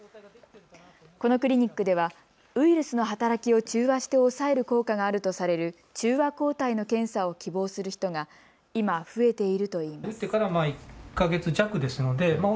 このクリニックではウイルスの働きを中和して抑える効果があるとされる中和抗体の検査を希望する人が今、増えているといいます。